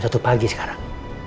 jam satu pagi sekarang